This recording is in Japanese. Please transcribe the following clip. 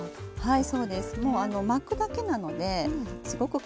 はい。